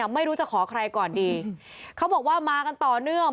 ไม่รู้จะขอใครก่อนดีเขาบอกว่ามากันต่อเนื่อง